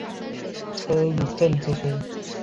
车汝震之兄。